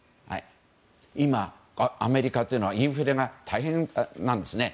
今、アメリカというのはインフレが大変なんですね。